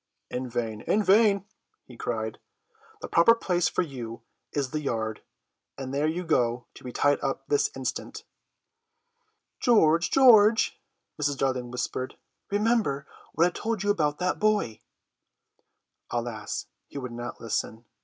"In vain, in vain," he cried; "the proper place for you is the yard, and there you go to be tied up this instant." "George, George," Mrs. Darling whispered, "remember what I told you about that boy." Alas, he would not listen.